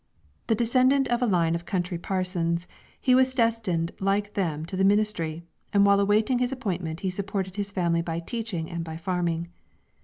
The descendant of a line of country parsons, he was destined like them to the ministry, and while awaiting his appointment he supported his family by teaching and by farming.